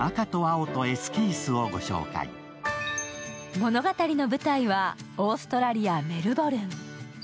物語の舞台はオーストラリア・メルボルン。